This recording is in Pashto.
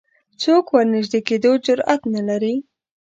څوک ورنژدې کېدو جرئت نه لري